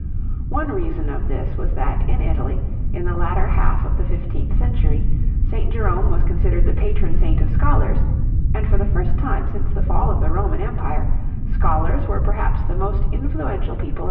One reason of this was that in Italy, in the latter half of the fifteenth century, St. Jerome was considered the patron saint of scholars, and for the first time since the fall of the Roman Empire, scholars were perhaps the most influential people of the day.